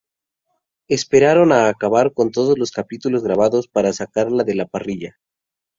Esperaron a acabar con todos los capítulos grabados para sacarla de la parrilla.